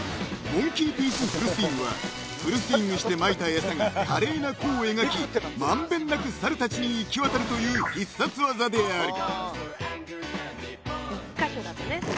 モンキー・ピースフルスイングはフルスイングしてまいた餌が華麗な弧を描き満遍なく猿たちに行き渡るという必殺技である］